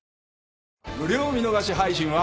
無料見逃し配信は。